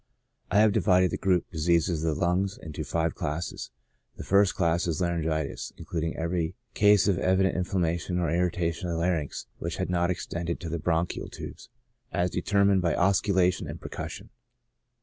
I have divided the group. Diseases of the Lungs ^ into five classes ; the first class is laryngitis^ including every case of evident inflammation or irritation of the larynx which had not extended to the bronchial tubes, as determined by aus cultation and percussion.